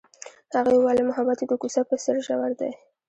هغې وویل محبت یې د کوڅه په څېر ژور دی.